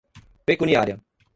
pecuniária